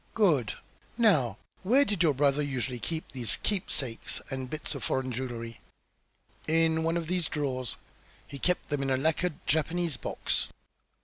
"Good! Now, where did your brother usually keep these keepsakes and bits of foreign jewellery?" "In one of these drawers. He kept them in a lacquered Japanese box."